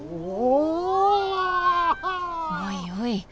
おいおい